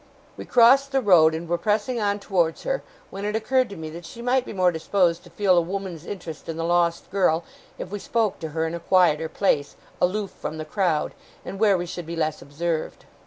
We crossed the road, and were pressing on towards her, when it occurred to me that she might be more disposed to feel a woman's interest in the lost girl, if we spoke to her in a quieter place, aloof from the crowd, and where we should be less observed.